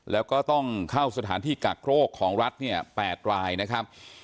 แล้วก็ต้องเข้าสถานที่กักโรคของรัฐเนี่ย๘รายนะครับ